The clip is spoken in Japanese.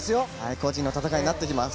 個人の戦いになってきます。